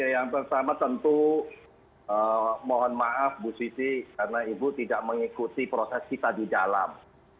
yang pertama tentu mohon maaf bu siti karena ibu tidak mengikuti proses kita di dalam